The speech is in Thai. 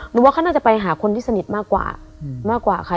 หนูว่าเขาน่าจะไปหาคนที่สนิทมากกว่าค่ะ